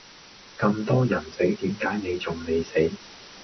咁多人死點解你仲未死？